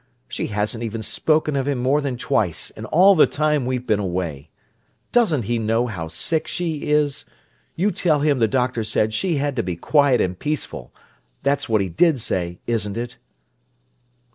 She hasn't even spoken of him more than twice in all the time we've been away. Doesn't he know how sick she is? You tell him the doctor said she had to be quiet and peaceful. That's what he did say, isn't it?"